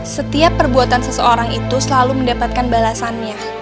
setiap perbuatan seseorang itu selalu mendapatkan balasannya